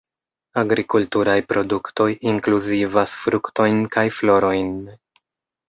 Agrikulturaj produktoj inkluzivas fruktojn kaj florojn.